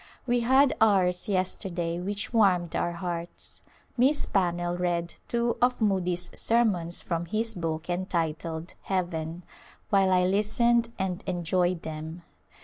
We had ours yesterday which warmed our hearts. Miss Pannell read two of Moody's sermons from his book entitled " Heaven," while I listened and enjoyed them.